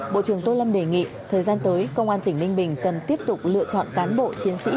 bộ trưởng tô lâm đề nghị thời gian tới công an tỉnh ninh bình cần tiếp tục lựa chọn cán bộ chiến sĩ